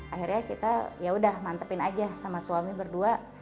akhirnya kita yaudah mantepin aja sama suami berdua